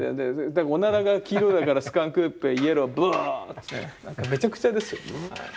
おならが黄色いからスカンクーぺイエローブワオーって何かめちゃくちゃですよね。